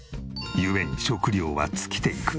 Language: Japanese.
故に食料は尽きていく。